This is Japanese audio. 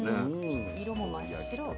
色も真っ白。